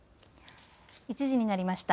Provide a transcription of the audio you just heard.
１時になりました。